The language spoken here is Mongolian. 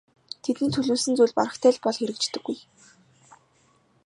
Тэдний төлөвлөсөн зүйл барагтай л бол хэрэгждэггүй.